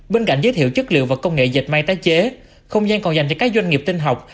bên cạnh giới thiệu chất liệu và công nghệ dệt may tái chế không gian còn dành cho các doanh nghiệp tinh học